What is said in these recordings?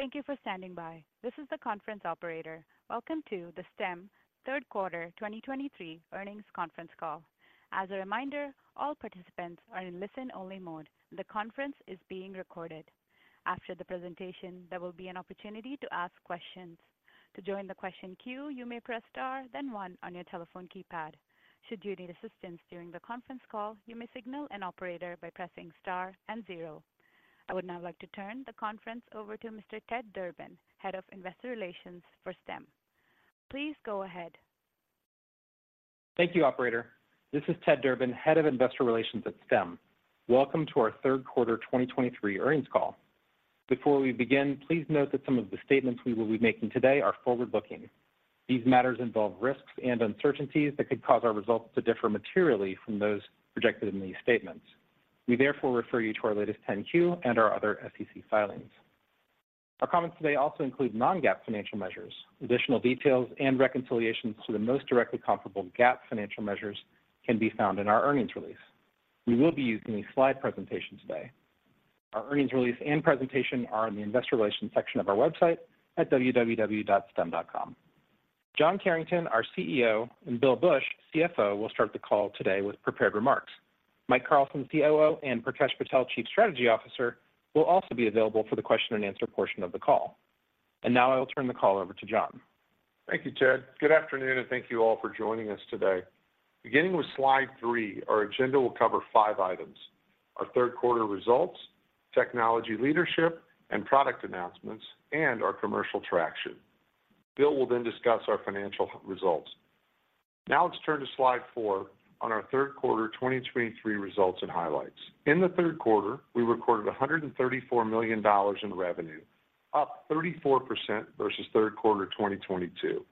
Thank you for standing by. This is the conference operator. Welcome to the Stem third quarter 2023 earnings conference call. As a reminder, all participants are in listen-only mode, and the conference is being recorded. After the presentation, there will be an opportunity to ask questions. To join the question queue, you may press star, then one on your telephone keypad. Should you need assistance during the conference call, you may signal an operator by pressing star and zero. I would now like to turn the conference over to Mr. Ted Durbin, Head of Investor Relations for Stem. Please go ahead. Thank you, operator. This is Ted Durbin, Head of Investor Relations at Stem. Welcome to our third quarter 2023 earnings call. Before we begin, please note that some of the statements we will be making today are forward-looking. These matters involve risks and uncertainties that could cause our results to differ materially from those projected in these statements. We therefore refer you to our latest 10-Q and our other SEC filings. Our comments today also include non-GAAP financial measures. Additional details and reconciliations to the most directly comparable GAAP financial measures can be found in our earnings release. We will be using a slide presentation today. Our earnings release and presentation are on the investor relations section of our website at www.stem.com. John Carrington, our CEO, and Bill Bush, CFO, will start the call today with prepared remarks. Mike Carlson, COO, and Prakesh Patel, Chief Strategy Officer, will also be available for the question and answer portion of the call. Now I will turn the call over to John. Thank you, Ted. Good afternoon, and thank you all for joining us today. Beginning with slide 3, our agenda will cover five items: our third quarter results, technology leadership and product announcements, and our commercial traction. Bill will then discuss our financial results. Now, let's turn to slide 4 on our third quarter 2023 results and highlights. In the third quarter, we recorded $134 million in revenue, up 34% versus third quarter 2022.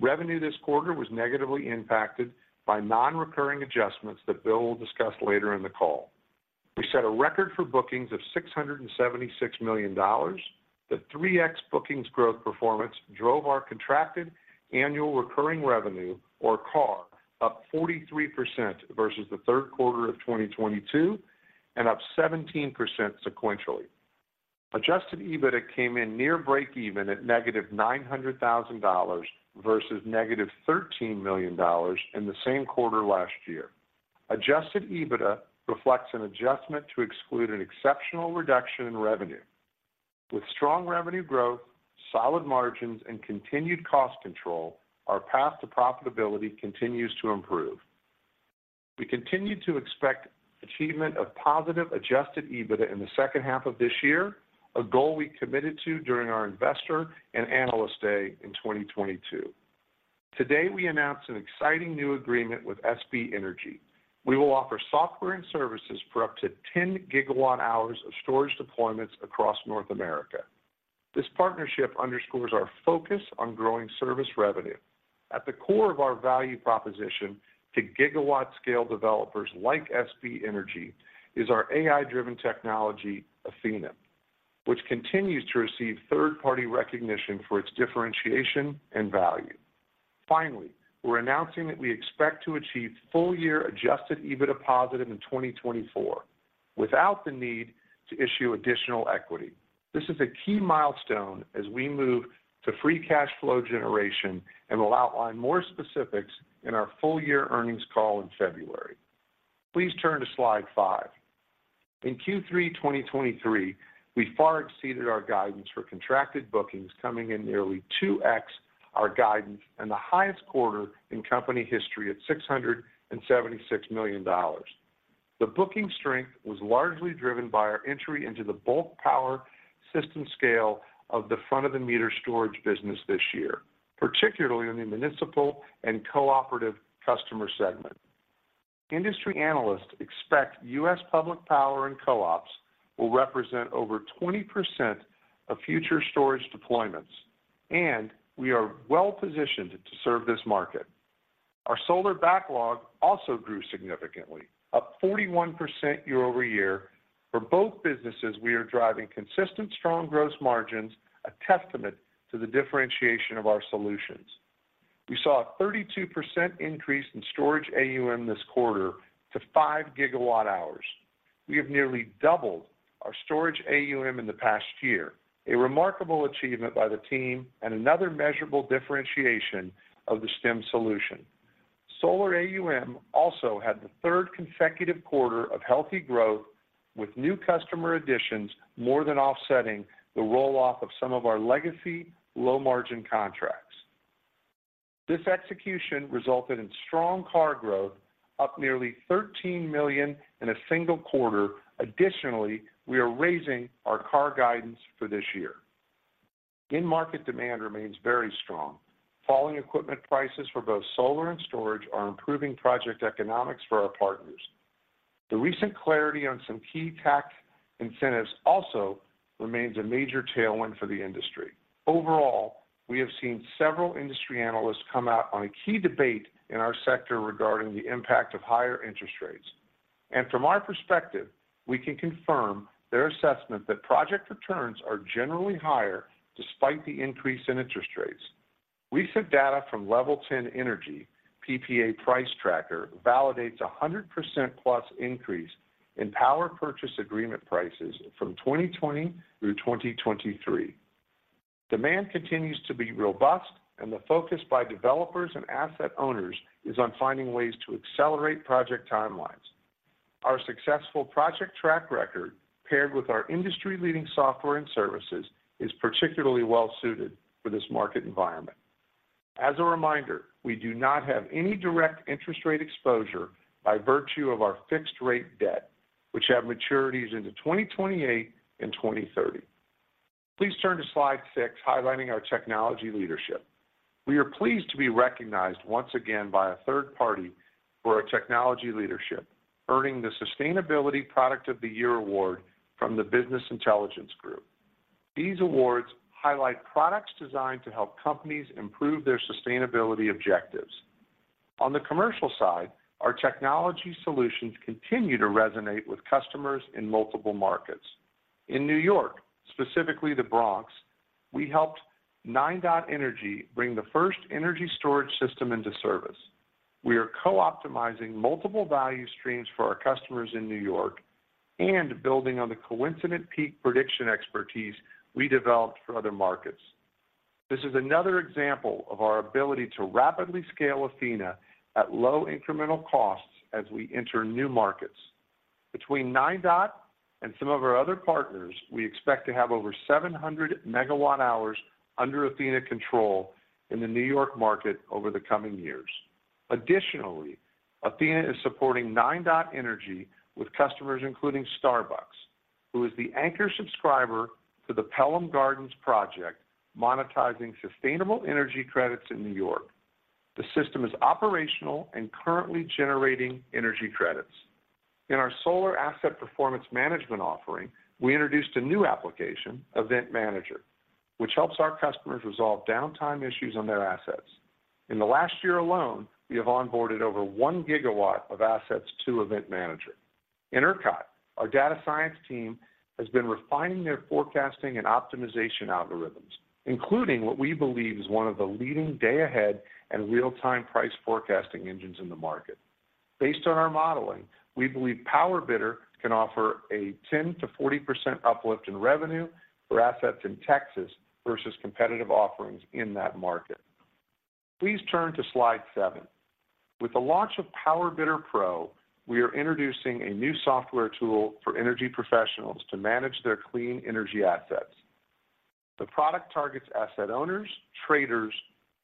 Revenue this quarter was negatively impacted by non-recurring adjustments that Bill will discuss later in the call. We set a record for bookings of $676 million. The 3x bookings growth performance drove our contracted annual recurring revenue, or CARR, up 43% versus the third quarter of 2022 and up 17% sequentially. Adjusted EBITDA came in near breakeven at -$900,000 versus -$13 million in the same quarter last year. Adjusted EBITDA reflects an adjustment to exclude an exceptional reduction in revenue. With strong revenue growth, solid margins, and continued cost control, our path to profitability continues to improve. We continue to expect achievement of positive adjusted EBITDA in the second half of this year, a goal we committed to during our Investor and Analyst Day in 2022. Today, we announced an exciting new agreement with SB Energy. We will offer software and services for up to 10 gigawatt hours of storage deployments across North America. This partnership underscores our focus on growing service revenue. At the core of our value proposition to gigawatt scale developers like SB Energy is our AI-driven technology, Athena, which continues to receive third-party recognition for its differentiation and value. Finally, we're announcing that we expect to achieve full-year adjusted EBITDA positive in 2024 without the need to issue additional equity. This is a key milestone as we move to free cash flow generation and will outline more specifics in our full-year earnings call in February. Please turn to slide 5. In Q3 2023, we far exceeded our guidance for contracted bookings, coming in nearly 2x our guidance, and the highest quarter in company history at $676 million. The booking strength was largely driven by our entry into the bulk power system scale of the front-of-the-meter storage business this year, particularly in the municipal and cooperative customer segment. Industry analysts expect U.S. public power and co-ops will represent over 20% of future storage deployments, and we are well-positioned to serve this market. Our solar backlog also grew significantly, up 41% year-over-year. For both businesses, we are driving consistent, strong gross margins, a testament to the differentiation of our solutions. We saw a 32% increase in storage AUM this quarter to five gigawatt hours. We have nearly doubled our storage AUM in the past year, a remarkable achievement by the team and another measurable differentiation of the Stem solution. Solar AUM also had the third consecutive quarter of healthy growth, with new customer additions more than offsetting the roll-off of some of our legacy low-margin contracts. This execution resulted in strong CARR growth, up nearly $13 million in a single quarter. Additionally, we are raising our CARR guidance for this year. End market demand remains very strong. Falling equipment prices for both solar and storage are improving project economics for our partners. The recent clarity on some key tax incentives also remains a major tailwind for the industry. Overall, we have seen several industry analysts come out on a key debate in our sector regarding the impact of higher interest rates. From our perspective, we can confirm their assessment that project returns are generally higher despite the increase in interest rates... We've seen data from LevelTen Energy PPA Price Tracker validates a 100%+ increase in power purchase agreement prices from 2020 through 2023. Demand continues to be robust, and the focus by developers and asset owners is on finding ways to accelerate project timelines. Our successful project track record, paired with our industry-leading software and services, is particularly well suited for this market environment. As a reminder, we do not have any direct interest rate exposure by virtue of our fixed rate debt, which have maturities into 2028 and 2030. Please turn to slide 6, highlighting our technology leadership. We are pleased to be recognized once again by a third party for our technology leadership, earning the Sustainability Product of the Year Award from the Business Intelligence Group. These awards highlight products designed to help companies improve their sustainability objectives. On the commercial side, our technology solutions continue to resonate with customers in multiple markets. In New York, specifically the Bronx, we helped NineDot Energy bring the first energy storage system into service. We are co-optimizing multiple value streams for our customers in New York and building on the coincident peak prediction expertise we developed for other markets. This is another example of our ability to rapidly scale Athena® at low incremental costs as we enter new markets. Between NineDot Energy and some of our other partners, we expect to have over 700 MWh under Athena® control in the New York market over the coming years. Additionally, Athena® is supporting NineDot Energy with customers, including Starbucks, who is the anchor subscriber to the Pelham Gardens project, monetizing sustainable energy credits in New York. The system is operational and currently generating energy credits. In our solar asset performance management offering, we introduced a new application, Event Manager, which helps our customers resolve downtime issues on their assets. In the last year alone, we have onboarded over 1 GW of assets to Event Manager. In ERCOT, our data science team has been refining their forecasting and optimization algorithms, including what we believe is one of the leading day-ahead and real-time price forecasting engines in the market. Based on our modeling, we believe PowerBidder can offer a 10%-40% uplift in revenue for assets in Texas versus competitive offerings in that market. Please turn to slide 7. With the launch of PowerBidder Pro, we are introducing a new software tool for energy professionals to manage their clean energy assets. The product targets asset owners, traders,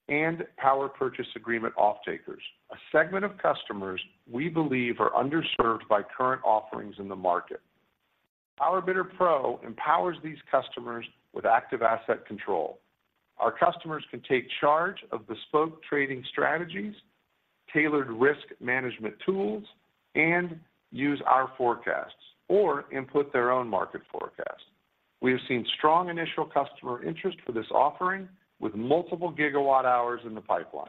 and power purchase agreement offtakers, a segment of customers we believe are underserved by current offerings in the market. PowerBidder Pro empowers these customers with active asset control. Our customers can take charge of bespoke trading strategies, tailored risk management tools, and use our forecasts or input their own market forecast. We have seen strong initial customer interest for this offering, with multiple gigawatt-hours in the pipeline.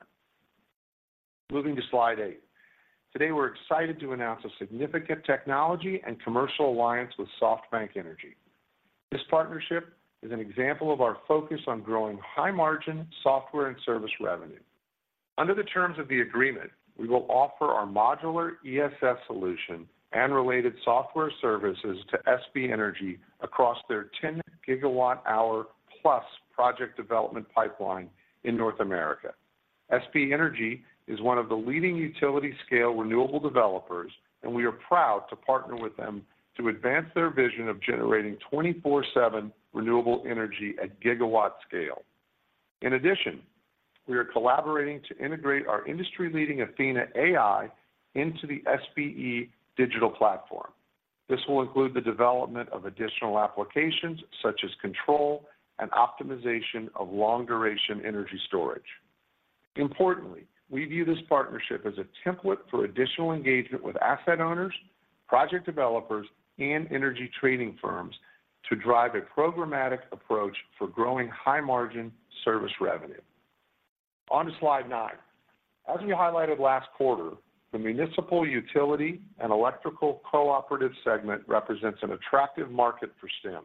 Moving to slide 8. Today, we're excited to announce a significant technology and commercial alliance with SB Energy. This partnership is an example of our focus on growing high-margin software and service revenue. Under the terms of the agreement, we will offer our modular ESS solution and related software services to SB Energy across their 10 gigawatt-hour+ project development pipeline in North America. SB Energy is one of the leading utility-scale renewable developers, and we are proud to partner with them to advance their vision of generating 24/7 renewable energy at gigawatt scale. In addition, we are collaborating to integrate our industry-leading Athena AI into the SBE digital platform. This will include the development of additional applications such as control and optimization of long-duration energy storage. Importantly, we view this partnership as a template for additional engagement with asset owners, project developers, and energy trading firms to drive a programmatic approach for growing high-margin service revenue. On to slide 9. As we highlighted last quarter, the municipal utility and electrical cooperative segment represents an attractive market for Stem.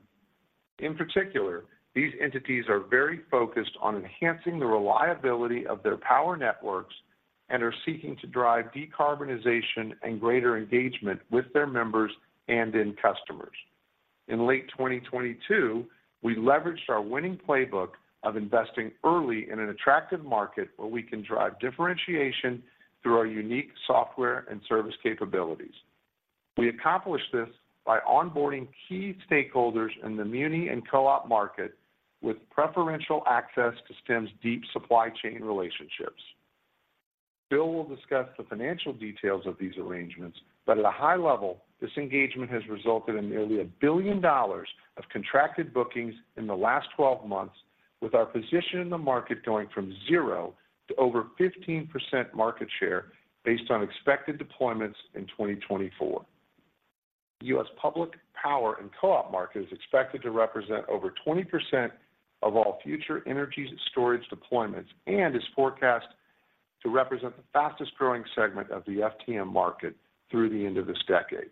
In particular, these entities are very focused on enhancing the reliability of their power networks and are seeking to drive decarbonization and greater engagement with their members and end customers. In late 2022, we leveraged our winning playbook of investing early in an attractive market where we can drive differentiation through our unique software and service capabilities. We accomplished this by onboarding key stakeholders in the muni and co-op market with preferential access to Stem's deep supply chain relationships. Bill will discuss the financial details of these arrangements, but at a high level, this engagement has resulted in nearly $1 billion of contracted bookings in the last 12 months, with our position in the market going from zero to over 15% market share based on expected deployments in 2024. U.S. public power and co-op market is expected to represent over 20% of all future energy storage deployments and is forecast to represent the fastest growing segment of the FTM market through the end of this decade.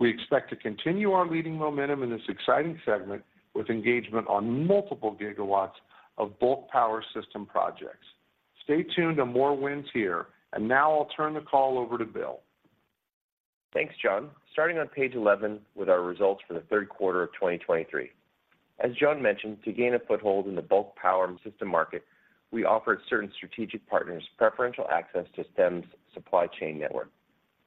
We expect to continue our leading momentum in this exciting segment, with engagement on multiple gigawatts of bulk power system projects. Stay tuned to more wins here, and now I'll turn the call over to Bill. Thanks, John. Starting on page 11 with our results for the third quarter of 2023. As John mentioned, to gain a foothold in the Bulk Power System market, we offered certain strategic partners preferential access to Stem's supply chain network.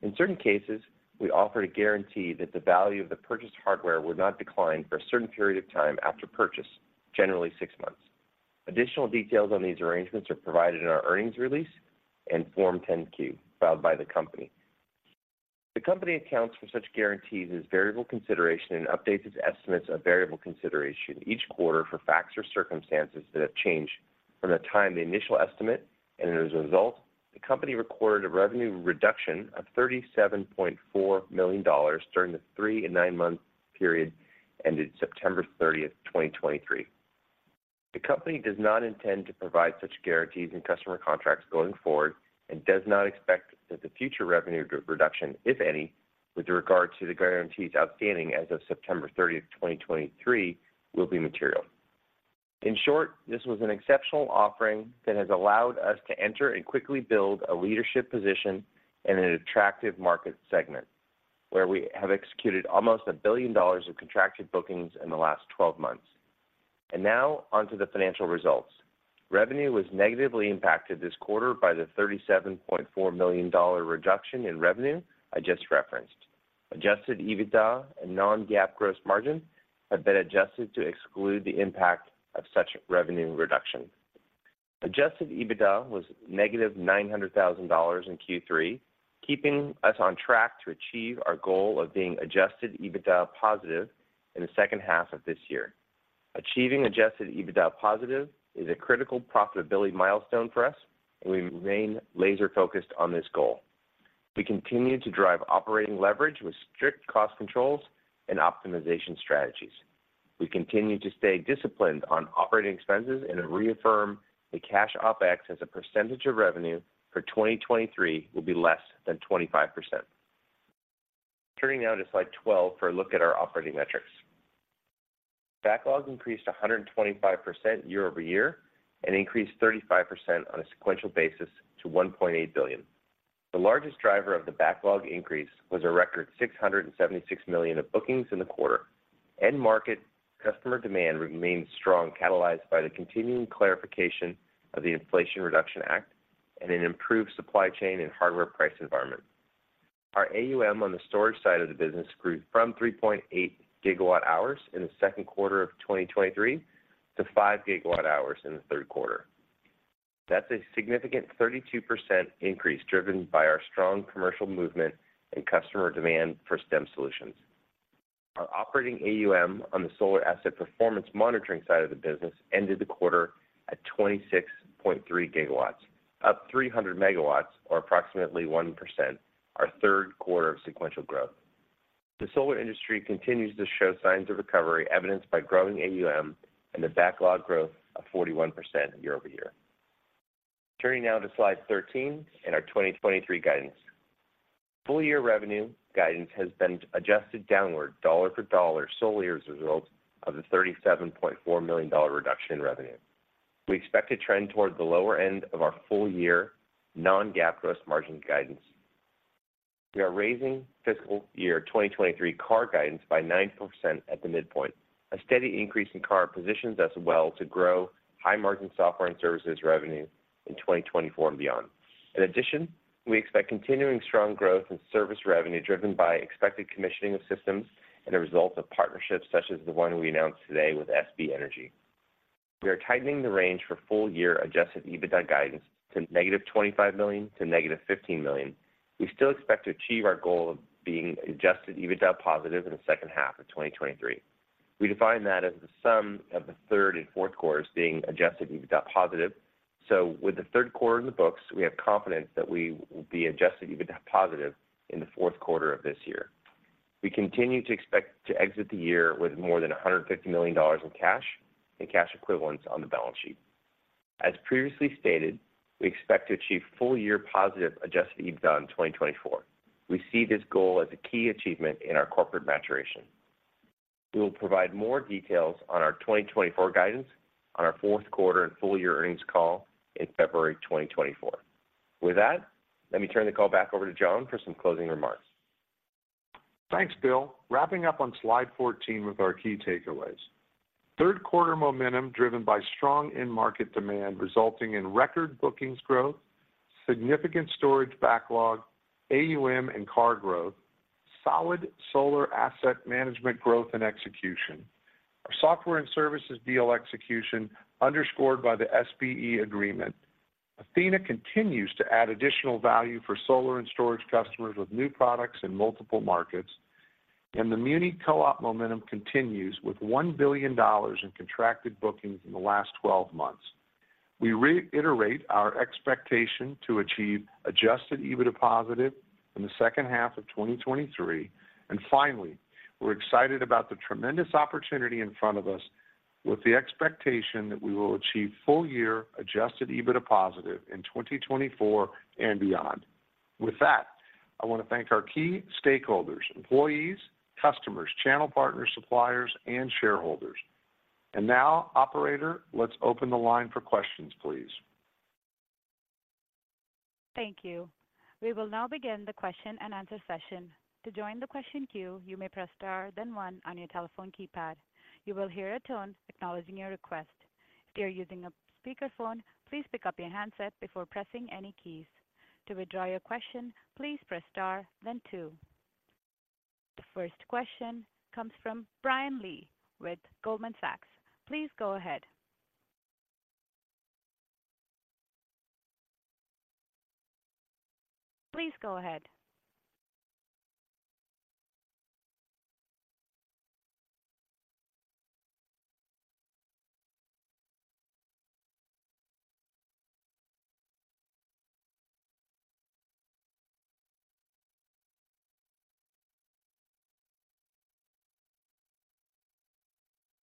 In certain cases, we offered a guarantee that the value of the purchased hardware would not decline for a certain period of time after purchase, generally 6 months. Additional details on these arrangements are provided in our earnings release and Form 10-Q, filed by the company. The company accounts for such guarantees as variable consideration and updates its estimates of variable consideration each quarter for facts or circumstances that have changed from the time the initial estimate, and as a result, the company recorded a revenue reduction of $37.4 million during the 3- and 9-month period, ended September 30, 2023. The company does not intend to provide such guarantees in customer contracts going forward, and does not expect that the future revenue reduction, if any, with regard to the guarantees outstanding as of September 30, 2023, will be material. In short, this was an exceptional offering that has allowed us to enter and quickly build a leadership position in an attractive market segment, where we have executed almost $1 billion of contracted bookings in the last 12 months. Now, onto the financial results. Revenue was negatively impacted this quarter by the $37.4 million reduction in revenue I just referenced. Adjusted EBITDA and non-GAAP gross margin have been adjusted to exclude the impact of such revenue reduction. Adjusted EBITDA was -$900,000 in Q3, keeping us on track to achieve our goal of being adjusted EBITDA positive in the second half of this year. Achieving adjusted EBITDA positive is a critical profitability milestone for us, and we remain laser-focused on this goal. We continue to drive operating leverage with strict cost controls and optimization strategies. We continue to stay disciplined on operating expenses and affirm that cash OpEx as a percentage of revenue for 2023 will be less than 25%. Turning now to slide 12 for a look at our operating metrics. Backlog increased 125% year-over-year, and increased 35% on a sequential basis to $1.8 billion. The largest driver of the backlog increase was a record $676 million of bookings in the quarter. End market customer demand remains strong, catalyzed by the continuing clarification of the Inflation Reduction Act and an improved supply chain and hardware price environment. Our AUM on the storage side of the business grew from 3.8 GWh in the second quarter of 2023 to 5 GWh in the third quarter. That's a significant 32% increase, driven by our strong commercial movement and customer demand for Stem solutions. Our operating AUM on the solar asset performance monitoring side of the business ended the quarter at 26.3 GW, up 300 MW or approximately 1%, our third quarter of sequential growth. The solar industry continues to show signs of recovery, evidenced by growing AUM and the backlog growth of 41% year-over-year. Turning now to slide 13 and our 2023 guidance. Full year revenue guidance has been adjusted downward, dollar for dollar, solely as a result of the $37.4 million reduction in revenue. We expect to trend toward the lower end of our full year non-GAAP gross margin guidance. We are raising fiscal year 2023 CARR guidance by 9% at the midpoint. A steady increase in CARR positions us well to grow high-margin software and services revenue in 2024 and beyond. In addition, we expect continuing strong growth in service revenue, driven by expected commissioning of systems and the results of partnerships, such as the one we announced today with SB Energy. We are tightening the range for full year Adjusted EBITDA guidance to -$25 million to -$15 million. We still expect to achieve our goal of being Adjusted EBITDA positive in the second half of 2023. We define that as the sum of the third and fourth quarters being adjusted EBITDA positive. So with the third quarter in the books, we have confidence that we will be adjusted EBITDA positive in the fourth quarter of this year. We continue to expect to exit the year with more than $150 million in cash and cash equivalents on the balance sheet. As previously stated, we expect to achieve full year positive adjusted EBITDA in 2024. We see this goal as a key achievement in our corporate maturation. We will provide more details on our 2024 guidance on our fourth quarter and full year earnings call in February 2024. With that, let me turn the call back over to John for some closing remarks. Thanks, Bill. Wrapping up on slide 14 with our key takeaways. Third quarter momentum driven by strong end market demand, resulting in record bookings growth, significant storage backlog, AUM and CARR growth, solid solar asset management growth and execution. Our software and services deal execution underscored by the SBE agreement. Athena continues to add additional value for solar and storage customers with new products in multiple markets, and the Muni/Co-op momentum continues, with $1 billion in contracted bookings in the last 12 months. We reiterate our expectation to achieve Adjusted EBITDA positive in the second half of 2023. And finally, we're excited about the tremendous opportunity in front of us, with the expectation that we will achieve full year Adjusted EBITDA positive in 2024 and beyond. With that, I want to thank our key stakeholders, employees, customers, channel partners, suppliers, and shareholders. Now, operator, let's open the line for questions, please. Thank you. We will now begin the question and answer session. To join the question queue, you may press star, then one on your telephone keypad. You will hear a tone acknowledging your request. If you're using a speakerphone, please pick up your handset before pressing any keys. To withdraw your question, please press star, then two. The first question comes from Brian Lee with Goldman Sachs. Please go ahead. Please go ahead.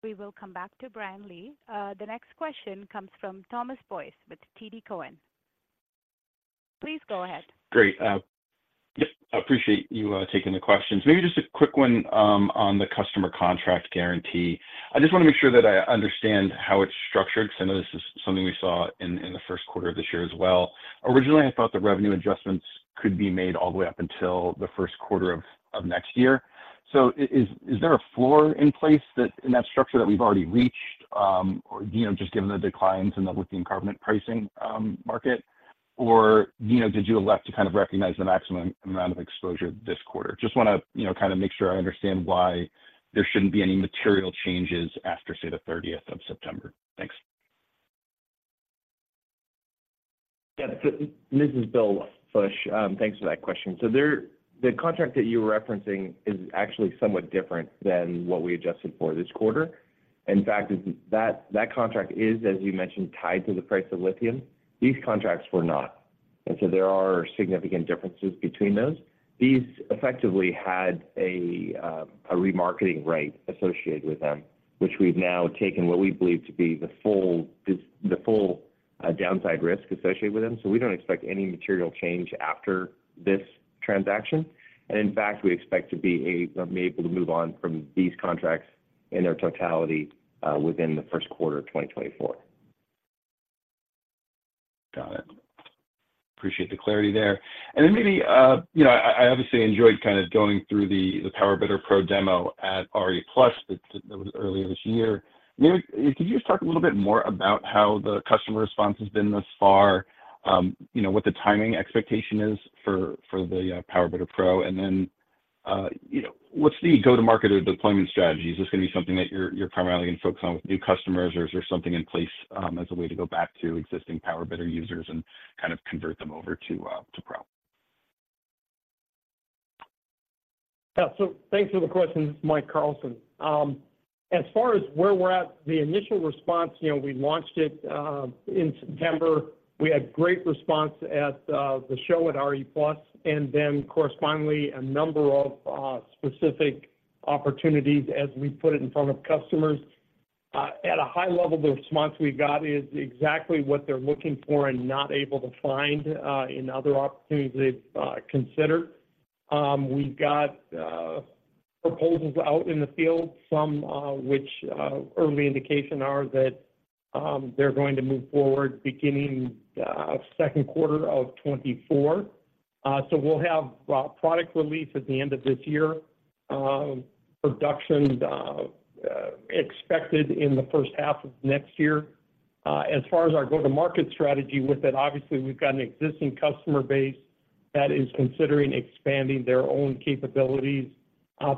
We will come back to Brian Lee. The next question comes from Thomas Boyes with TD Cowen. Please go ahead. Great. Yep, I appreciate you taking the questions. Maybe just a quick one on the customer contract guarantee. I just want to make sure that I understand how it's structured, because I know this is something we saw in the first quarter of this year as well. Originally, I thought the revenue adjustments could be made all the way up until the first quarter of next year. So is there a floor in place in that structure that we've already reached, or, you know, just given the declines in the lithium carbonate pricing market? Or, you know, did you elect to kind of recognize the maximum amount of exposure this quarter? Just wanna, you know, kind of make sure I understand why there shouldn't be any material changes after, say, the 13th of September. Thanks. Yeah. So this is Bill Bush. Thanks for that question. So there—the contract that you were referencing is actually somewhat different than what we adjusted for this quarter. In fact, that contract is, as you mentioned, tied to the price of lithium. These contracts were not, and so there are significant differences between those. These effectively had a remarketing right associated with them, which we've now taken what we believe to be the full downside risk associated with them. So we don't expect any material change after this transaction, and in fact, we expect to be able to move on from these contracts in their totality within the first quarter of 2024. Got it. Appreciate the clarity there. And then maybe, you know, I obviously enjoyed kind of going through the PowerBidder Pro demo at RE+, that was earlier this year. Maybe could you just talk a little bit more about how the customer response has been thus far? You know, what the timing expectation is for the PowerBidder Pro? And then, you know, what's the go-to-market or deployment strategy? Is this gonna be something that you're primarily going to focus on with new customers, or is there something in place as a way to go back to existing PowerBidder users and kind of convert them over to Pro? Yeah. So thanks for the question. This is Mike Carlson. As far as where we're at, the initial response, you know, we launched it in September. We had great response at the show at RE+, and then, correspondingly, a number of specific opportunities as we put it in front of customers. At a high level, the response we got is exactly what they're looking for and not able to find in other opportunities they've considered. We've got proposals out in the field, some which early indication are that they're going to move forward beginning second quarter of 2024. So we'll have product release at the end of this year, production expected in the first half of next year. As far as our go-to-market strategy with it, obviously, we've got an existing customer base that is considering expanding their own capabilities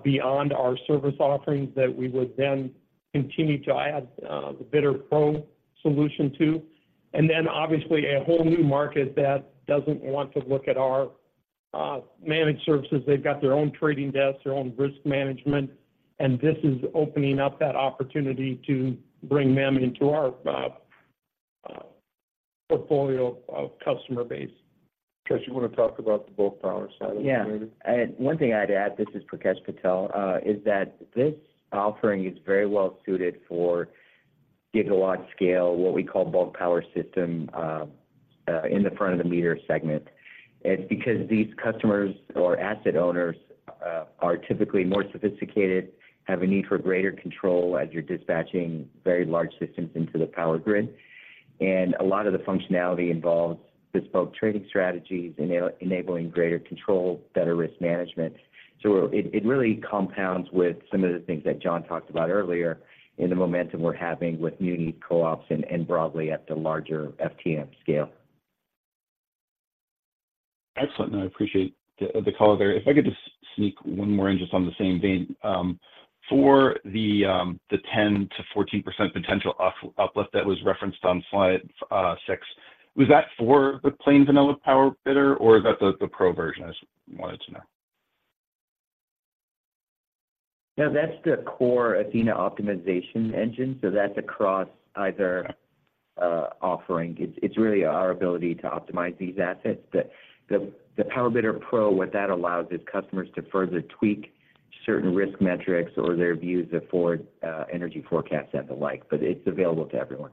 beyond our service offerings, that we would then continue to add the PowerBidder Pro solution to. And then, obviously, a whole new market that doesn't want to look at our portfolio of customer base. Prakesh, you want to talk about the bulk power side of it? Yeah. And one thing I'd add, this is Prakesh Patel, is that this offering is very well suited for gigawatt scale, what we call bulk power system, in the front-of-the-meter segment. It's because these customers or asset owners are typically more sophisticated, have a need for greater control as you're dispatching very large systems into the power grid. And a lot of the functionality involves bespoke trading strategies enabling greater control, better risk management. So it really compounds with some of the things that John talked about earlier in the momentum we're having with muni co-ops and broadly at the larger FTM scale. Excellent, I appreciate the call there. If I could just sneak one more in, just on the same vein. For the 10%-14% potential uplift that was referenced on slide 6, was that for the plain vanilla PowerBidder, or is that the Pro version? I just wanted to know. No, that's the core Athena optimization engine, so that's across either-... offering. It's really our ability to optimize these assets. The PowerBidder Pro, what that allows is customers to further tweak certain risk metrics or their views of forward energy forecasts and the like, but it's available to everyone.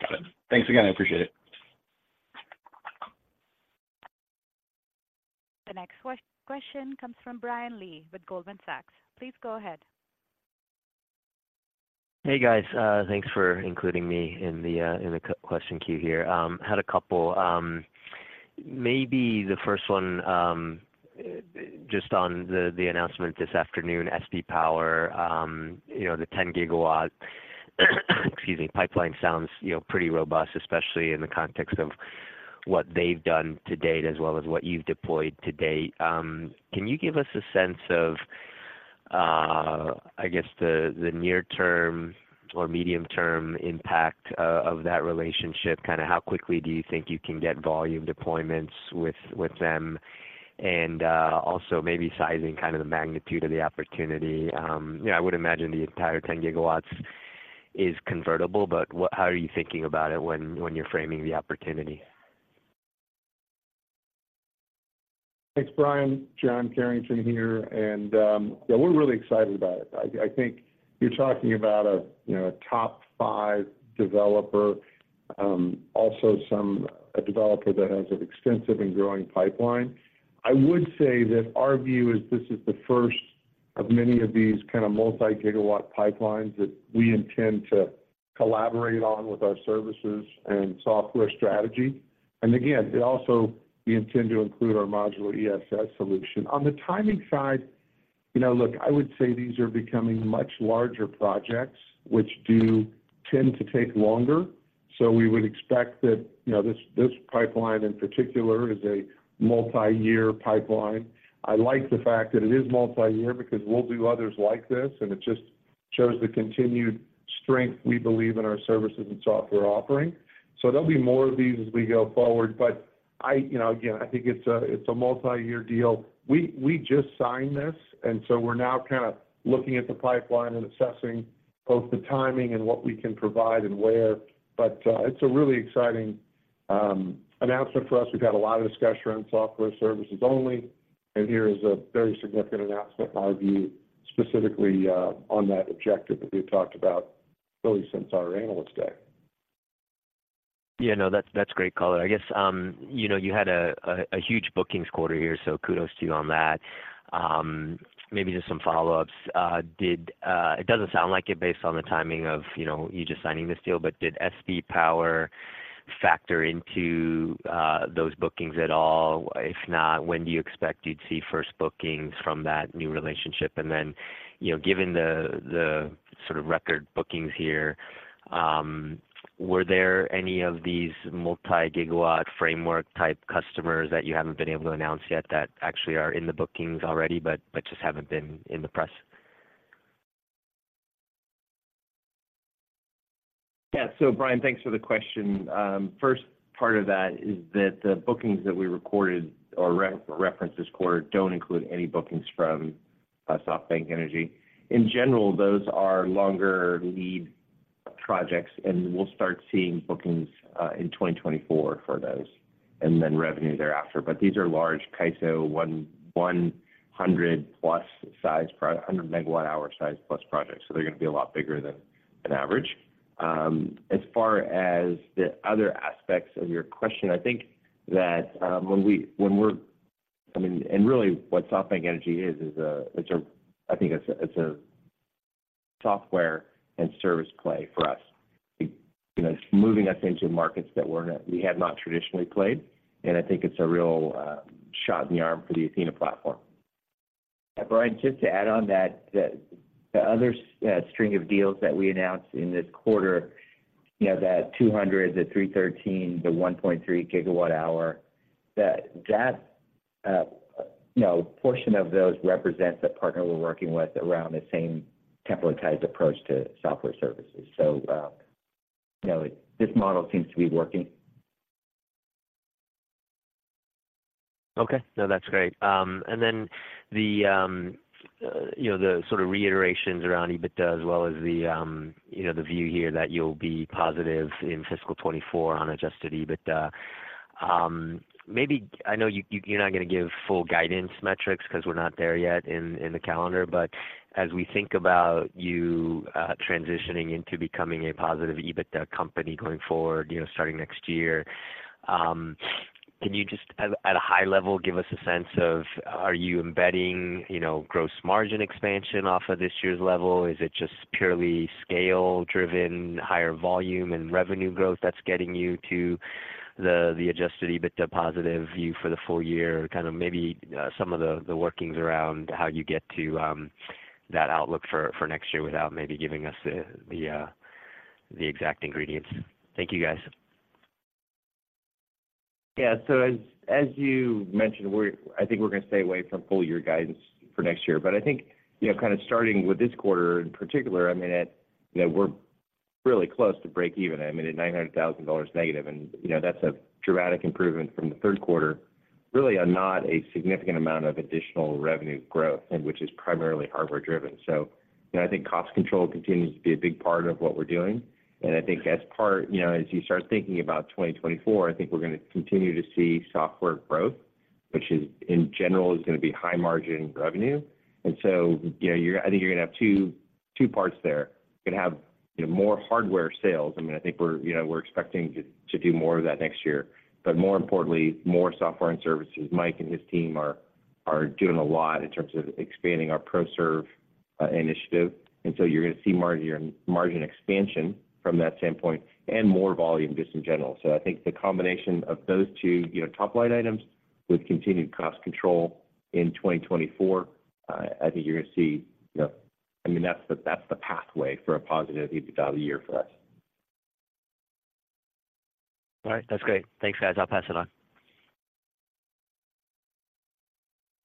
Got it. Thanks again. I appreciate it. The next question comes from Brian Lee with Goldman Sachs. Please go ahead. Hey, guys. Thanks for including me in the question queue here. Had a couple. Maybe the first one, just on the announcement this afternoon, SB Energy, you know, the 10-gigawatt pipeline sounds, you know, pretty robust, especially in the context of what they've done to date, as well as what you've deployed to date. Can you give us a sense of, I guess, the near-term or medium-term impact of that relationship? Kinda how quickly do you think you can get volume deployments with them? And also maybe sizing kind of the magnitude of the opportunity. You know, I would imagine the entire 10 gigawatts is convertible, but what- how are you thinking about it when you're framing the opportunity? Thanks, Brian. John Carrington here, and, yeah, we're really excited about it. I, I think you're talking about a, you know, a top five developer, also a developer that has an extensive and growing pipeline. I would say that our view is this is the first of many of these kind of multi-gigawatt pipelines that we intend to collaborate on with our services and software strategy. And again, it also, we intend to include our modular ESS solution. On the timing side, you know, look, I would say these are becoming much larger projects, which do tend to take longer. So we would expect that, you know, this, this pipeline in particular, is a multi-year pipeline. I like the fact that it is multi-year because we'll do others like this, and it just shows the continued strength we believe in our services and software offering. So there'll be more of these as we go forward, but you know, again, I think it's a multi-year deal. We just signed this, and so we're now kind of looking at the pipeline and assessing both the timing and what we can provide and where. But it's a really exciting announcement for us. We've had a lot of discussion around software services only, and here is a very significant announcement, in our view, specifically on that objective that we've talked about really since our Analyst Day. Yeah, no, that's, that's great color. I guess, you know, you had a huge bookings quarter here, so kudos to you on that. Maybe just some follow-ups. Did... it doesn't sound like it based on the timing of, you know, you just signing this deal, but did SB Energy factor into those bookings at all? If not, when do you expect you'd see first bookings from that new relationship? And then, you know, given the sort of record bookings here, were there any of these multi-gigawatt framework-type customers that you haven't been able to announce yet that actually are in the bookings already, but just haven't been in the press? Yeah. So Brian, thanks for the question. First part of that is that the bookings that we recorded or referenced this quarter don't include any bookings from SB Energy. In general, those are longer lead projects, and we'll start seeing bookings in 2024 for those, and then revenue thereafter. But these are large CAISO, 100+ size, 100 megawatt-hour size+ projects, so they're going to be a lot bigger than an average. As far as the other aspects of your question, I think that, when we're—I mean, and really what SB Energy is, is a—it's a, I think it's a, it's a software and service play for us. You know, it's moving us into markets that we have not traditionally played, and I think it's a real, shot in the arm for the Athena platform. Brian, just to add on that, the other string of deals that we announced in this quarter, you know, the 200, the 313, the 1.3 gigawatt hour, that portion of those represents a partner we're working with around the same templatized approach to software services. So, you know, this model seems to be working. Okay. No, that's great. And then the sort of reiterations around EBITDA as well as the view here that you'll be positive in fiscal 2024 on adjusted EBITDA. Maybe, I know you're not going to give full guidance metrics because we're not there yet in the calendar, but as we think about you transitioning into becoming a positive EBITDA company going forward, you know, starting next year, can you just at a high level give us a sense of, are you embedding gross margin expansion off of this year's level? Is it just purely scale driven, higher volume and revenue growth that's getting you to the adjusted EBITDA positive view for the full year? Kind of maybe some of the workings around how you get to that outlook for next year without maybe giving us the exact ingredients. Thank you, guys. Yeah. So as you mentioned, we're—I think we're going to stay away from full year guidance for next year. But I think, you know, kind of starting with this quarter in particular, I mean, you know, we're really close to breakeven. I mean, at $900,000 negative, and, you know, that's a dramatic improvement from the third quarter... really not a significant amount of additional revenue growth, and which is primarily hardware driven. So, you know, I think cost control continues to be a big part of what we're doing, and I think as part—You know, as you start thinking about 2024, I think we're going to continue to see software growth, which is, in general, is going to be high margin revenue. And so, you know, you're—I think you're going to have two parts there. You're going to have, you know, more hardware sales. I mean, I think we're, you know, we're expecting to do more of that next year, but more importantly, more software and services. Mike and his team are doing a lot in terms of expanding our ProServe initiative, and so you're going to see margin expansion from that standpoint, and more volume just in general. So I think the combination of those two, you know, top-line items with continued cost control in 2024, I think you're going to see, you know... I mean, that's the pathway for a positive EBITDA year for us. All right. That's great. Thanks, guys. I'll pass it on.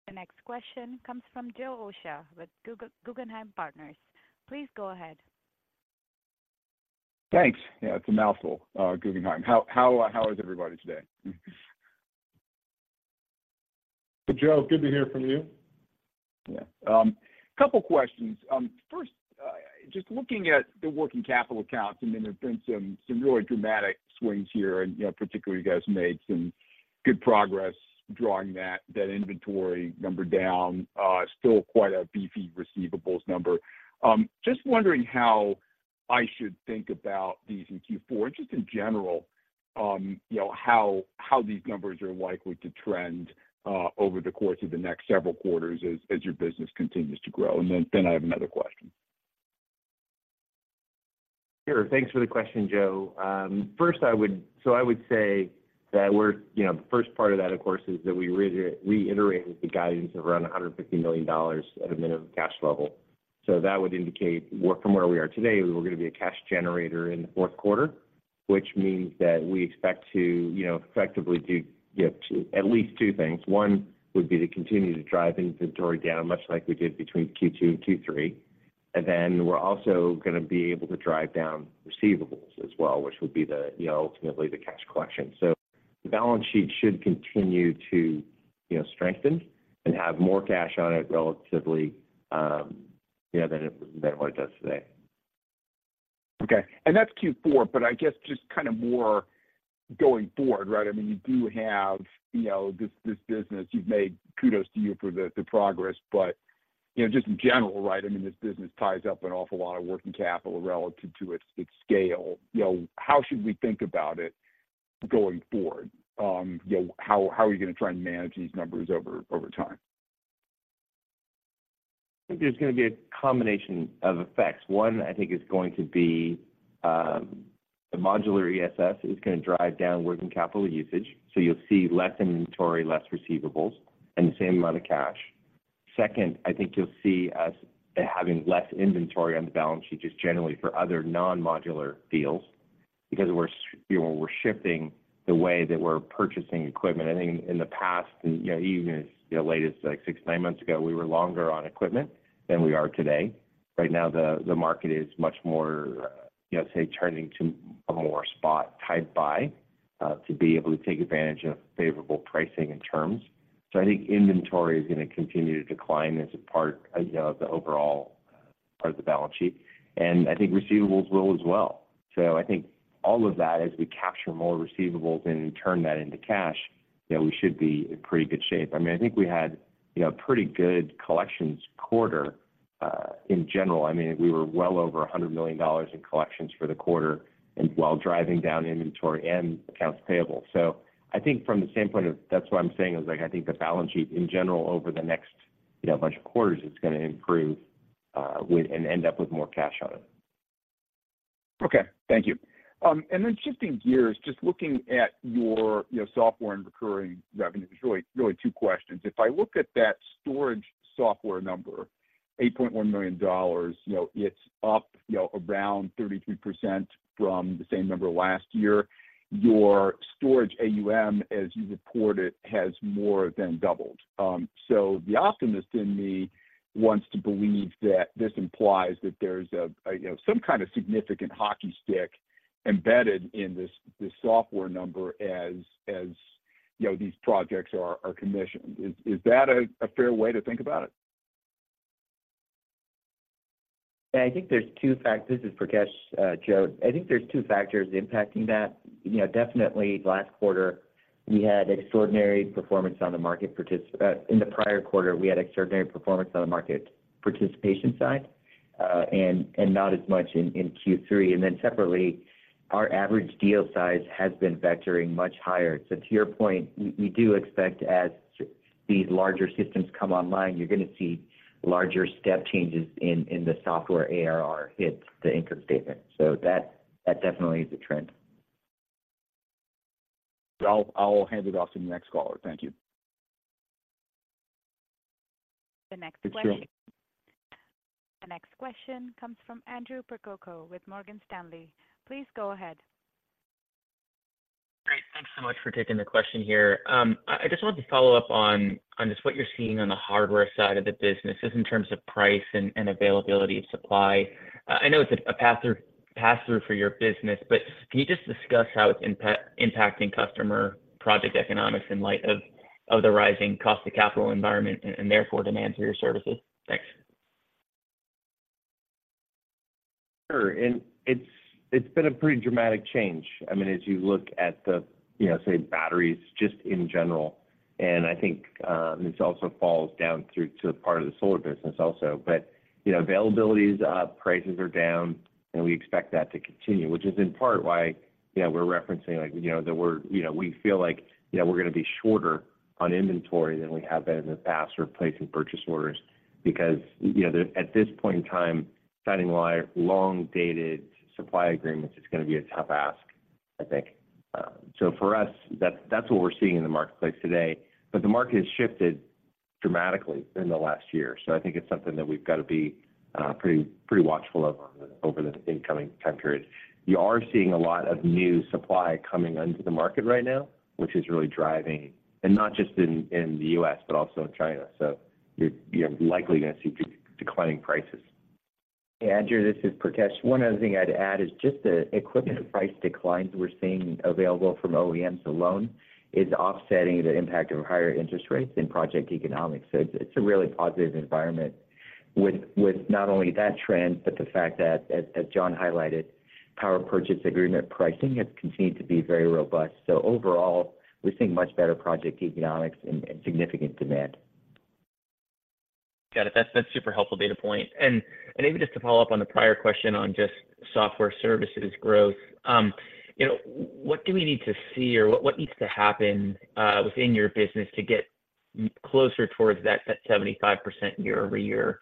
The next question comes from Joe Osha with Guggenheim Partners. Please go ahead. Thanks. Yeah, it's a mouthful, Guggenheim. How is everybody today? Hey, Joe, good to hear from you. Yeah. Couple questions. First, just looking at the working capital accounts, I mean, there have been some really dramatic swings here and, you know, particularly, you guys made some good progress drawing that inventory number down. Still quite a beefy receivables number. Just wondering how I should think about these in Q4, just in general, you know, how these numbers are likely to trend over the course of the next several quarters as your business continues to grow? And then I have another question. Sure. Thanks for the question, Joe. First, I would say that we're... You know, the first part of that, of course, is that we reiterated the guidance of around $150 million at a minimum cash level. So that would indicate where—from where we are today, we were going to be a cash generator in the fourth quarter, which means that we expect to, you know, effectively do, you know, two, at least two things. One, would be to continue to drive inventory down, much like we did between Q2 and Q3. And then we're also going to be able to drive down receivables as well, which would be the, you know, ultimately the cash collection. The balance sheet should continue to, you know, strengthen and have more cash on it relatively, yeah, than what it does today. Okay. And that's Q4, but I guess just kind of more going forward, right? I mean, you do have, you know, this, this business, you've made kudos to you for the, the progress, but, you know, just in general, right? I mean, this business ties up an awful lot of working capital relative to its, its scale. You know, how should we think about it going forward? You know, how, how are you going to try and manage these numbers over, over time? I think there's going to be a combination of effects. One, I think is going to be, the modular ESS is going to drive down working capital usage, so you'll see less inventory, less receivables, and the same amount of cash. Second, I think you'll see us having less inventory on the balance sheet, just generally for other non-modular deals, because we're, you know, we're shifting the way that we're purchasing equipment. I think in the past, you know, even as late as like 6, 9 months ago, we were longer on equipment than we are today. Right now, the market is much more, you know, say, turning to a more spot-type buy, to be able to take advantage of favorable pricing and terms. So I think inventory is going to continue to decline as a part, you know, of the overall part of the balance sheet, and I think receivables will as well. So I think all of that, as we capture more receivables and turn that into cash, you know, we should be in pretty good shape. I mean, I think we had, you know, a pretty good collections quarter, in general. I mean, we were well over $100 million in collections for the quarter, and while driving down inventory and accounts payable. So I think from the standpoint of... That's what I'm saying, is like, I think the balance sheet in general, over the next, you know, bunch of quarters, is going to improve, and end up with more cash on it. Okay, thank you. And then shifting gears, just looking at your, you know, software and recurring revenue, there's really, really two questions. If I look at that storage software number, $8.1 million, you know, it's up, you know, around 33% from the same number last year. Your storage AUM, as you report it, has more than doubled. So the optimist in me wants to believe that this implies that there's a, you know, some kind of significant hockey stick embedded in this software number as, you know, these projects are commissioned. Is that a fair way to think about it? I think there's two factors. This is Prakesh, Joe. I think there's two factors impacting that. You know, definitely last quarter, we had extraordinary performance on the market participation side, and not as much in Q3. And then separately, our average deal size has been vectoring much higher. So to your point, we do expect as these larger systems come online, you're going to see larger step changes in the software ARR hit the income statement. So that definitely is a trend. Well, I'll hand it off to the next caller. Thank you. The next question- Thanks, Joe. The next question comes from Andrew Percoco with Morgan Stanley. Please go ahead. Great. Thanks so much for taking the question here. I just wanted to follow up on just what you're seeing on the hardware side of the business, just in terms of price and availability of supply. I know it's a pass-through for your business, but can you just discuss how it's impacting customer project economics in light of the rising cost of capital environment and therefore demand for your services? Thanks.... Sure, and it's been a pretty dramatic change. I mean, as you look at the, you know, say, batteries just in general, and I think this also falls down through to part of the solar business also. But, you know, availability is up, prices are down, and we expect that to continue, which is in part why, you know, we're referencing, like, you know, that we're you know, we feel like, you know, we're gonna be shorter on inventory than we have been in the past or placing purchase orders. Because, you know, at this point in time, signing live long-dated supply agreements is gonna be a tough ask, I think. So for us, that's what we're seeing in the marketplace today. But the market has shifted dramatically in the last year, so I think it's something that we've got to be pretty watchful of over the incoming time period. We are seeing a lot of new supply coming onto the market right now, which is really driving... And not just in the US, but also in China. So you're likely gonna see declining prices. Hey, Andrew, this is Prakesh. One other thing I'd add is just the equipment price declines we're seeing available from OEMs alone is offsetting the impact of higher interest rates in project economics. So it's a really positive environment with not only that trend, but the fact that, as John highlighted, power purchase agreement pricing has continued to be very robust. So overall, we're seeing much better project economics and significant demand. Got it. That's, that's super helpful data point. And, and maybe just to follow up on the prior question on just software services growth. You know, what do we need to see, or what, what needs to happen within your business to get closer towards that, that 75% year-over-year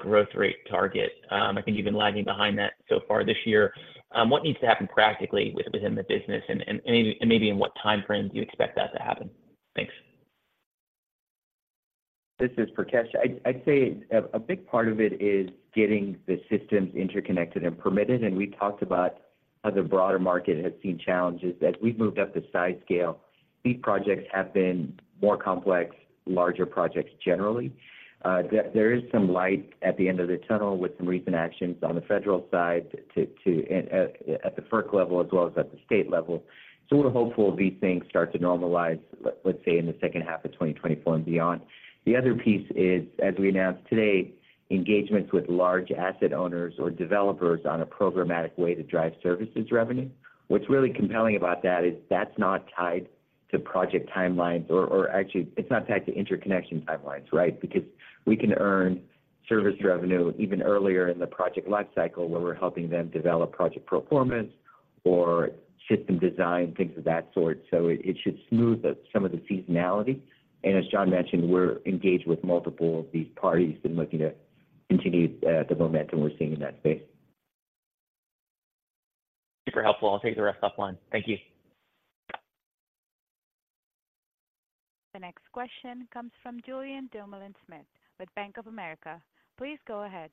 growth rate target? I think you've been lagging behind that so far this year. What needs to happen practically within the business and, and maybe in what time frame do you expect that to happen? Thanks. This is Prakesh. I'd say a big part of it is getting the systems interconnected and permitted, and we talked about how the broader market has seen challenges. As we've moved up the size scale, these projects have been more complex, larger projects generally. There is some light at the end of the tunnel with some recent actions on the federal side to the FERC level as well as at the state level. So we're hopeful these things start to normalize, let's say, in the second half of 2024 and beyond. The other piece is, as we announced today, engagements with large asset owners or developers on a programmatic way to drive services revenue. What's really compelling about that is that's not tied to project timelines or, actually, it's not tied to interconnection timelines, right? Because we can earn service revenue even earlier in the project life cycle, where we're helping them develop project performance or system design, things of that sort. So it should smooth some of the seasonality. And as John mentioned, we're engaged with multiple of these parties and looking to continue the momentum we're seeing in that space. Super helpful. I'll take the rest offline. Thank you. The next question comes from Julien Dumoulin-Smith with Bank of America. Please go ahead.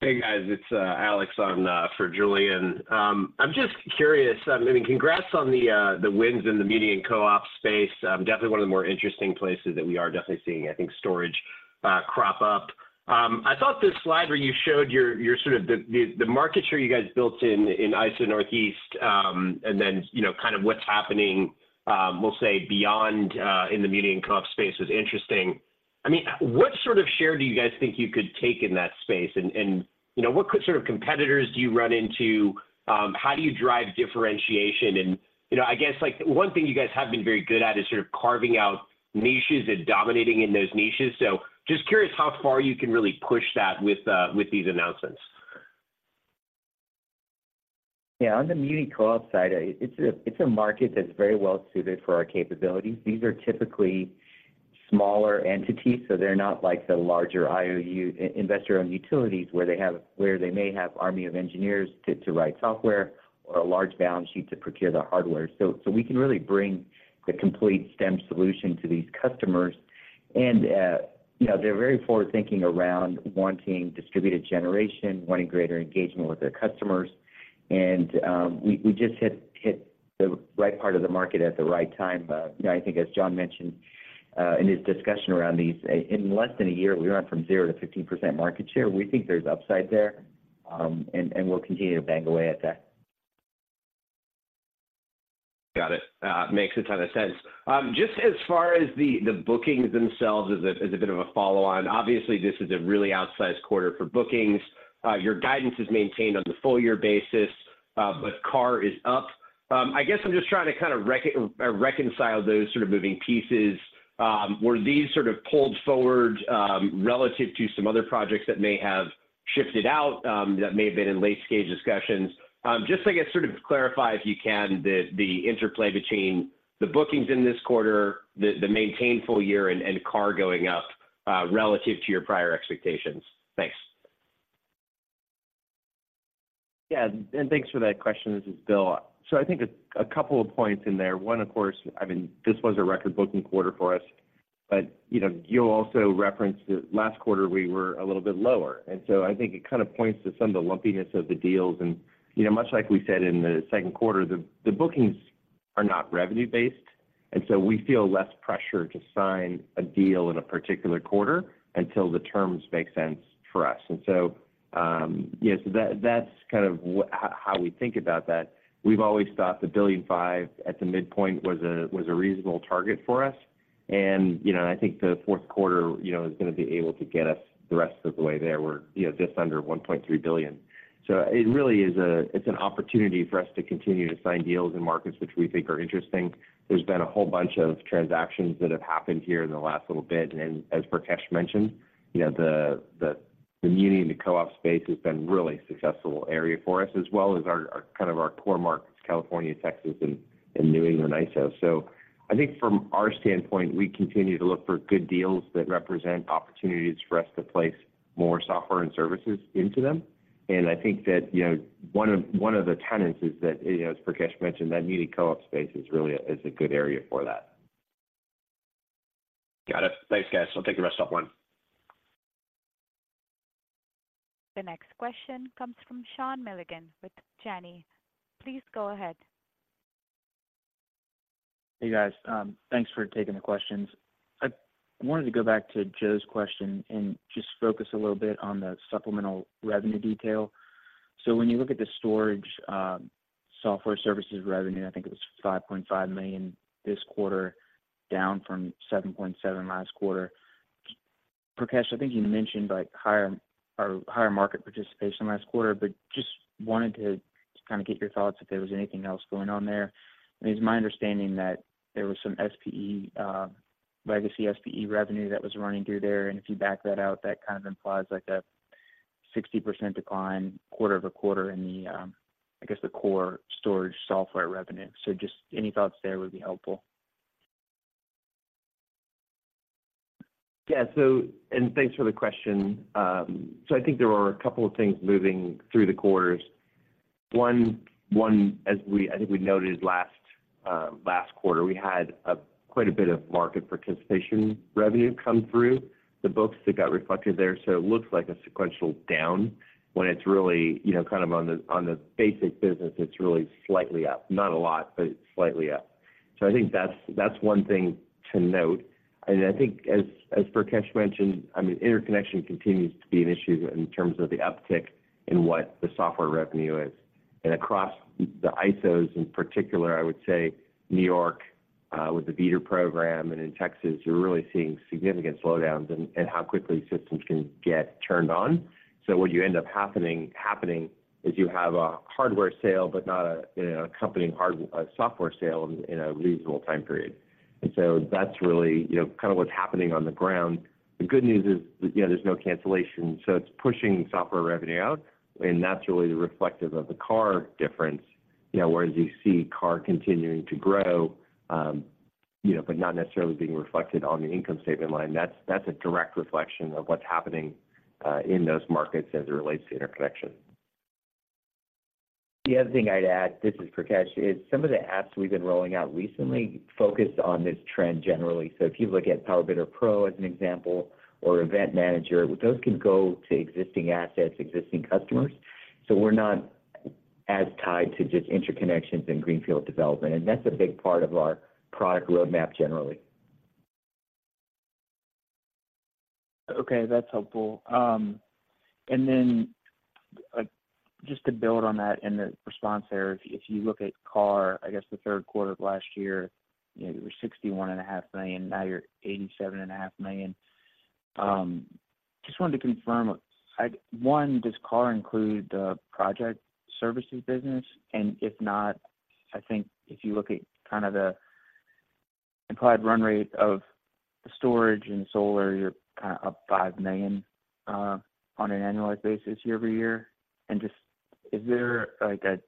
Hey, guys, it's Alex on for Julien. I'm just curious, I mean, congrats on the wins in the community and co-op space. Definitely one of the more interesting places that we are definitely seeing, I think, storage crop up. I thought this slide where you showed your sort of market share you guys built in ISO-NE, and then, you know, kind of what's happening, we'll say beyond in the community and co-op space was interesting. I mean, what sort of share do you guys think you could take in that space? And, you know, what sort of competitors do you run into? How do you drive differentiation? You know, I guess, like, one thing you guys have been very good at is sort of carving out niches and dominating in those niches. Just curious how far you can really push that with these announcements? Yeah, on the community co-op side, it's a market that's very well suited for our capabilities. These are typically smaller entities, so they're not like the larger IOU, investor-owned utilities, where they have army of engineers to write software or a large balance sheet to procure the hardware. So we can really bring the complete Stem solution to these customers. And, you know, they're very forward-thinking around wanting distributed generation, wanting greater engagement with their customers, and we just hit the right part of the market at the right time. You know, I think as John mentioned, in his discussion around these, in less than a year, we went from zero to 15% market share. We think there's upside there, and we'll continue to bang away at that. Got it. Makes a ton of sense. Just as far as the, the bookings themselves as a, as a bit of a follow-on. Obviously, this is a really outsized quarter for bookings. Your guidance is maintained on the full year basis, but CARR is up. I guess I'm just trying to kind of reconcile those sort of moving pieces. Were these sort of pulled forward, relative to some other projects that may have shifted out, that may have been in late-stage discussions? Just so I can sort of clarify, if you can, the, the interplay between the bookings in this quarter, the, the maintained full year, and, and CARR going up, relative to your prior expectations. Thanks. Yeah, and thanks for that question. This is Bill. So I think a couple of points in there. One, of course, I mean, this was a record booking quarter for us, but, you know, you also referenced that last quarter we were a little bit lower. And so I think it kind of points to some of the lumpiness of the deals. And, you know, much like we said in the second quarter, the bookings are not revenue-based, and so we feel less pressure to sign a deal in a particular quarter until the terms make sense for us. And so, yeah, so that's kind of how we think about that. We've always thought the $1.5 billion at the midpoint was a reasonable target for us. You know, I think the fourth quarter, you know, is gonna be able to get us the rest of the way there. We're, you know, just under $1.3 billion. So it really is a—it's an opportunity for us to continue to sign deals in markets which we think are interesting. There's been a whole bunch of transactions that have happened here in the last little bit, and as Prakesh mentioned, you know, the, the, the muni and the co-op space has been really successful area for us, as well as our, our kind of our core markets, California, Texas, and New England ISO. So I think from our standpoint, we continue to look for good deals that represent opportunities for us to place more software and services into them. I think that, you know, one of, one of the tenets is that, you know, as Prakesh mentioned, that muni co-op space is really a, is a good area for that. Got it. Thanks, guys. I'll take the rest offline. The next question comes from Sean Milligan with Janney. Please go ahead. Hey, guys. Thanks for taking the questions. I wanted to go back to Joe's question and just focus a little bit on the supplemental revenue detail. So when you look at the storage, software services revenue, I think it was $5.5 million this quarter, down from $7.7 million last quarter. Prakesh, I think you mentioned, like, higher or higher market participation last quarter, but just wanted to kind of get your thoughts if there was anything else going on there. It's my understanding that there was some SPE, legacy SPE revenue that was running through there, and if you back that out, that kind of implies, like, a 60% decline quarter-over-quarter in the, I guess, the core storage software revenue. So just any thoughts there would be helpful. Yeah. So, and thanks for the question. So I think there are a couple of things moving through the quarters. One, as we—I think we noted last quarter, we had quite a bit of market participation revenue come through the books that got reflected there. So it looks like a sequential down when it's really, you know, kind of on the basic business, it's really slightly up. Not a lot, but it's slightly up. So I think that's one thing to note. And I think as Prakesh mentioned, I mean, interconnection continues to be an issue in terms of the uptick in what the software revenue is. And across the ISOs in particular, I would say New York, with the VDER program and in Texas, you're really seeing significant slowdowns in how quickly systems can get turned on. So what you end up happening is you have a hardware sale, but not a, you know, accompanying software sale in a reasonable time period. And so that's really, you know, kind of what's happening on the ground. The good news is, you know, there's no cancellation, so it's pushing software revenue out, and that's really the reflective of the CARR difference. You know, whereas you see CARR continuing to grow, you know, but not necessarily being reflected on the income statement line. That's a direct reflection of what's happening in those markets as it relates to interconnection. The other thing I'd add, this is Prakesh, is some of the apps we've been rolling out recently focus on this trend generally. So if you look at PowerBidder Pro as an example, or Event Manager, those can go to existing assets, existing customers. So we're not as tied to just interconnections and greenfield development, and that's a big part of our product roadmap generally. Okay, that's helpful. And then, like, just to build on that and the response there, if you look at CARR, I guess the third quarter of last year, you know, you were $61.5 million, now you're $87.5 million. Just wanted to confirm, one, does CARR include the project services business? And if not, I think if you look at kind of the implied run rate of the storage and solar, you're kind of up $5 million on an annualized basis year-over-year. And just, is there, like, an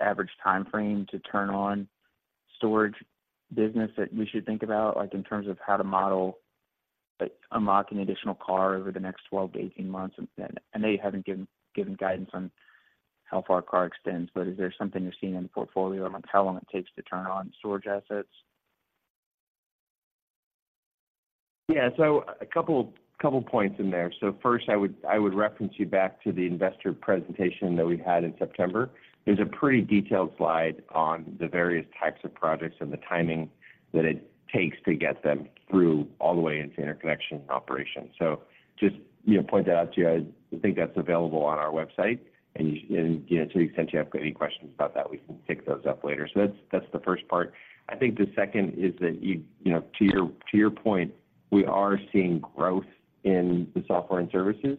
average time frame to turn on storage business that we should think about, like, in terms of how to model, like, unlocking additional CARR over the next 12-18 months? And I know you haven't given guidance on how far CARR extends, but is there something you're seeing in the portfolio on how long it takes to turn on storage assets? Yeah. So a couple points in there. So first, I would reference you back to the investor presentation that we had in September. There's a pretty detailed slide on the various types of projects and the timing that it takes to get them through all the way into interconnection and operation. So just, you know, point that out to you. I think that's available on our website, and you know, to the extent you have got any questions about that, we can pick those up later. So that's the first part. I think the second is that you know, to your point, we are seeing growth in the software and services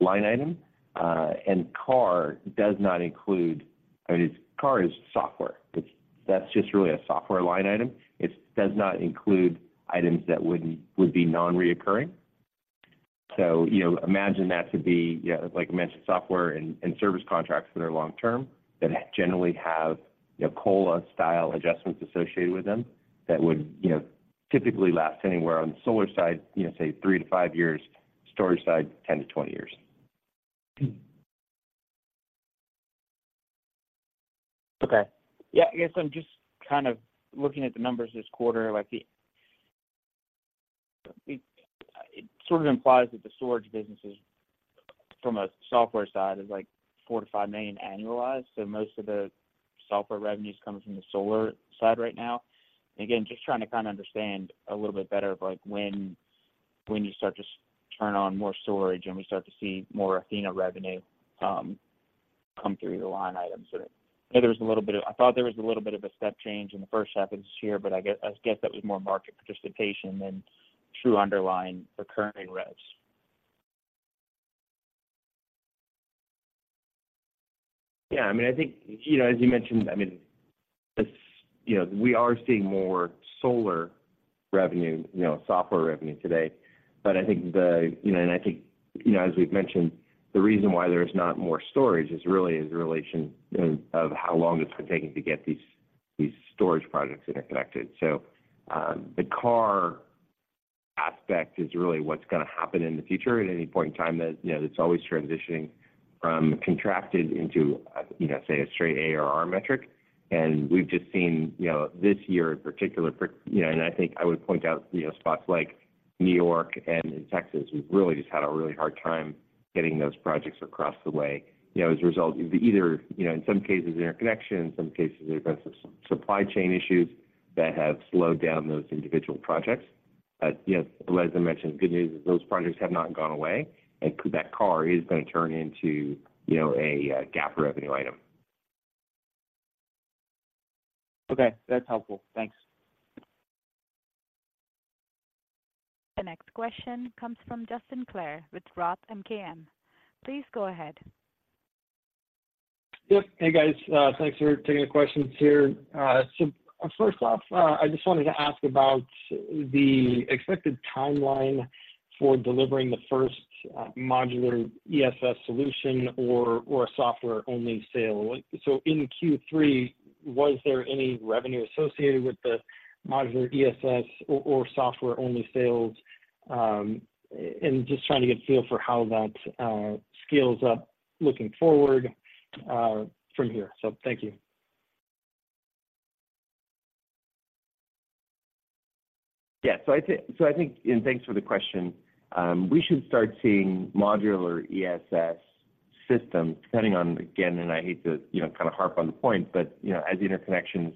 line item, and CARR does not include... I mean, CARR is software. It's - That's just really a software line item. It does not include items that would be non-recurring. So, you know, imagine that to be, you know, like I mentioned, software and service contracts that are long term, that generally have, you know, COLA-style adjustments associated with them, that would, you know, typically last anywhere on the solar side, you know, say, 3-5 years. Storage side, 10-20 years. Okay. Yeah, I guess I'm just kind of looking at the numbers this quarter, like the. It sort of implies that the storage business is, from a software side, like $4 million-$5 million annualized. So most of the software revenues coming from the solar side right now? And again, just trying to kind of understand a little bit better, like, when you start to turn on more storage and we start to see more Athena revenue come through the line items. I know there was a little bit of. I thought there was a little bit of a step change in the first half of this year, but I guess that was more market participation than true underlying recurring revs. Yeah, I mean, I think, you know, as you mentioned, I mean, it's, you know, we are seeing more solar revenue, you know, software revenue today. But I think the, you know, and I think, you know, as we've mentioned, the reason why there is not more storage is really is a relation of, of how long it's been taking to get these, these storage projects interconnected. So, the core aspect is really what's going to happen in the future. At any point in time that, you know, it's always transitioning from contracted into, you know, say, a straight ARR metric. And we've just seen, you know, this year in particular, for, you know, and I think I would point out, you know, spots like New York and in Texas, we've really just had a really hard time getting those projects across the way. You know, as a result, either, you know, in some cases, interconnection, in some cases, they've been some supply chain issues that have slowed down those individual projects. But yes, as I mentioned, good news is those projects have not gone away, and that CARR is going to turn into, you know, a GAAP revenue item. Okay, that's helpful. Thanks. The next question comes from Justin Clare with Roth MKM. Please go ahead. Yep. Hey, guys, thanks for taking the questions here. So first off, I just wanted to ask about the expected timeline for delivering the first, Modular ESS solution or, or a software-only sale. So in Q3, was there any revenue associated with the Modular ESS or, or software-only sales? And just trying to get a feel for how that, scales up looking forward, from here. So thank you. Yeah. So I think – and thanks for the question. We should start seeing modular ESS systems, depending on, again, and I hate to, you know, kind of harp on the point, but, you know, as the interconnections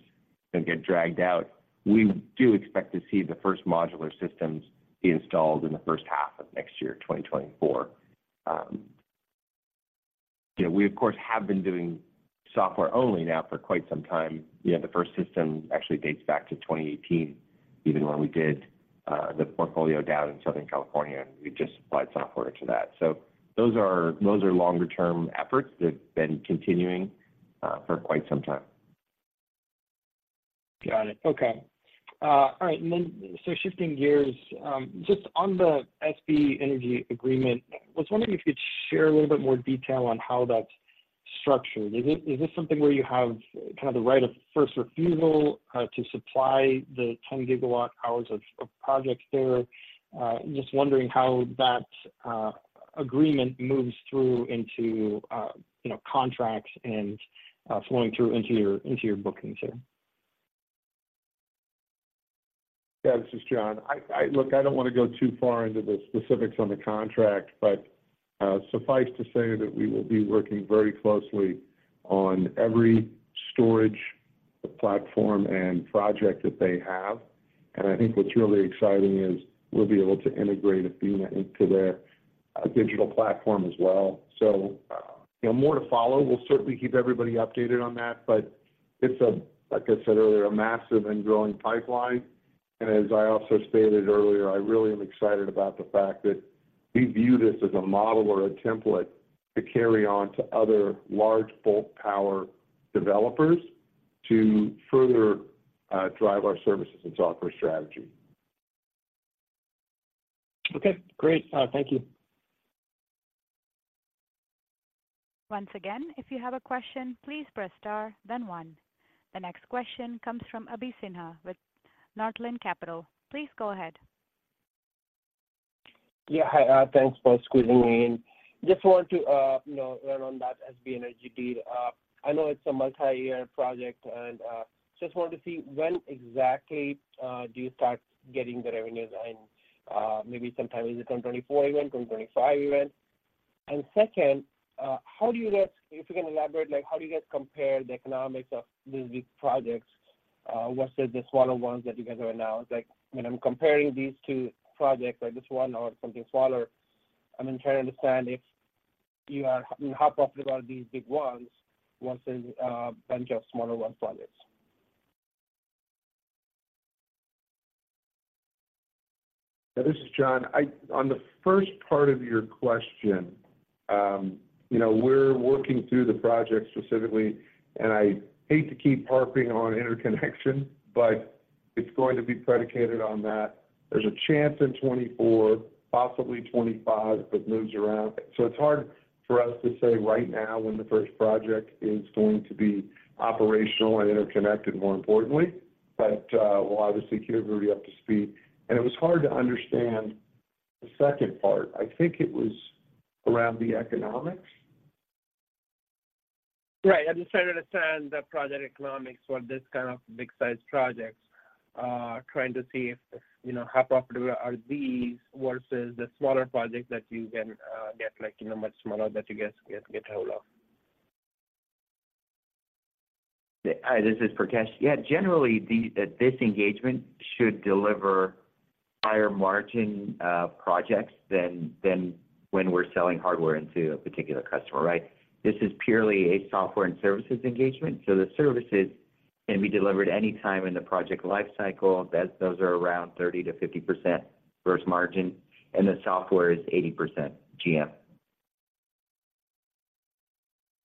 get dragged out, we do expect to see the first modular systems be installed in the first half of next year, 2024. You know, we, of course, have been doing software only now for quite some time. You know, the first system actually dates back to 2018, even when we did the portfolio down in Southern California, and we just applied software to that. So those are, those are longer-term efforts that have been continuing for quite some time. Got it. Okay. All right. And then, so shifting gears, just on the SB Energy agreement, I was wondering if you could share a little bit more detail on how that's structured. Is this, is this something where you have kind of the right of first refusal, to supply the 10 GWh of projects there? Just wondering how that agreement moves through into, you know, contracts and flowing through into your, into your bookings here. Yeah, this is John. Look, I don't want to go too far into the specifics on the contract, but suffice to say that we will be working very closely on every storage platform and project that they have. And I think what's really exciting is we'll be able to integrate Athena into their digital platform as well. So, you know, more to follow. We'll certainly keep everybody updated on that, but it's a, like I said earlier, a massive and growing pipeline. And as I also stated earlier, I really am excited about the fact that we view this as a model or a template to carry on to other large bulk power developers to further drive our services and software strategy. Okay, great. Thank you. Once again, if you have a question, please press star, then one. The next question comes from Abhi Sinha with Northland Capital. Please go ahead. Yeah. Hi, thanks for squeezing me in. Just want to, you know, learn on that SB Energy deal. I know it's a multi-year project, and just wanted to see when exactly do you start getting the revenues and maybe sometime, is it in 2024 even, 2025 even? And second, how do you guys- If you can elaborate, like, how do you guys compare the economics of these big projects? What's the smaller ones that you guys have announced? Like, when I'm comparing these two projects, like this one or something smaller, I'm trying to understand if you are- how profitable are these big ones versus bunch of smaller ones on this. This is John. On the first part of your question, you know, we're working through the project specifically, and I hate to keep harping on interconnection, but it's going to be predicated on that. There's a chance in 2024, possibly 2025, if it moves around. So it's hard for us to say right now when the first project is going to be operational and interconnected, more importantly. But we'll obviously keep everybody up to speed. And it was hard to understand the second part. I think it was around the economics? Right. I'm just trying to understand the project economics for this kind of big-sized projects. Trying to see if, you know, how profitable are these versus the smaller projects that you can get, like, you know, much smaller that you guys get, get a hold of. Hi, this is Prakesh. Yeah, generally, this engagement should deliver higher margin projects than when we're selling hardware into a particular customer, right? This is purely a software and services engagement, so the services can be delivered any time in the project lifecycle. Those are around 30%-50% gross margin, and the software is 80% GM.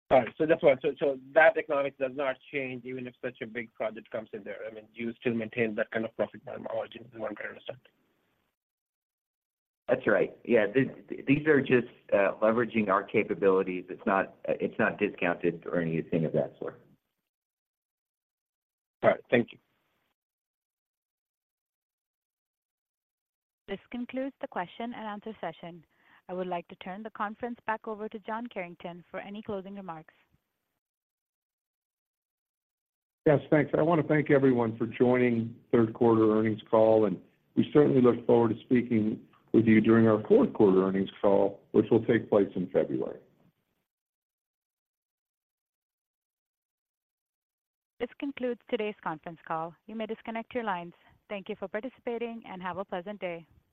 Got it. So that's why. So, so that economics does not change even if such a big project comes in there. I mean, you still maintain that kind of profit margin, is what I understand? That's right. Yeah. The, these are just leveraging our capabilities. It's not, it's not discounted or anything of that sort. All right. Thank you. This concludes the question and answer session. I would like to turn the conference back over to John Carrington for any closing remarks. Yes, thanks. I want to thank everyone for joining third quarter earnings call, and we certainly look forward to speaking with you during our fourth quarter earnings call, which will take place in February. This concludes today's conference call. You may disconnect your lines. Thank you for participating, and have a pleasant day.